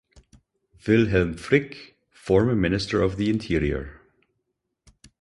Wilhelm Frick, former Minister of the Interior.